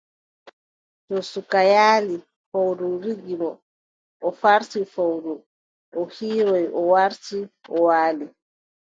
To suka yaali. Fowru ruggi mo. O farti fowru, o hiiroy, o warti, o waali.